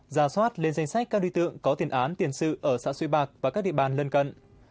ra soát lên danh sách các đối tượng có tiền án tiền sự ở xã xuê bạc và các địa bàn lân cận